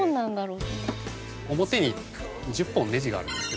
表に１０本ネジがあるんですけど。